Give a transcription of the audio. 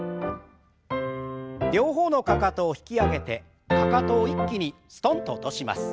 両方のかかとを引き上げてかかとを一気にすとんと落とします。